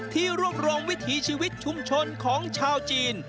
ที่รวบรวมวิถีชีวิตชุมชนของชาวจีน